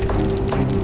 gak mau kali